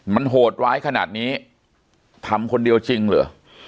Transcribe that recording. มันโหดร้ายขนาดนี้ทำคนเดียวจริงเหรอ